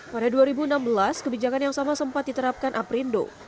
pada dua ribu enam belas kebijakan yang sama sempat diterapkan aprindo